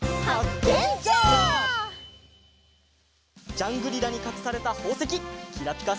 ジャングリラにかくされたほうせききらぴか